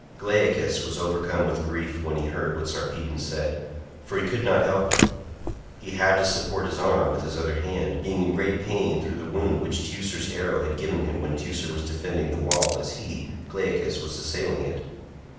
Glaucus was overcome with grief when he heard what Sarpedon said, for he could not help him. He had to support his arm with his other hand, being in great pain through the wound which Teucer's arrow had given him when Teucer was defending the wall as he, Glaucus, was assailing it.